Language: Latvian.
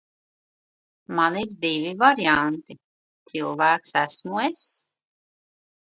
Man ir divi varianti. Cilvēks esmu es.